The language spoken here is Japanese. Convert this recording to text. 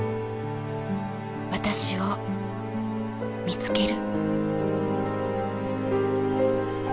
私を見つける。